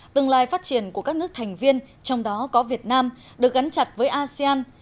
tương lai phát triển của các nước thành viên trong đó có việt nam được gắn chặt với asean